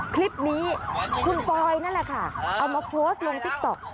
คลิปนี้คุณปอยนั่นแหละค่ะเอามาโพสต์ลงติ๊กต๊อก